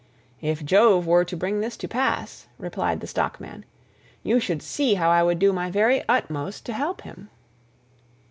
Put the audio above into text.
"If Jove were to bring this to pass," replied the stockman, "you should see how I would do my very utmost to help him."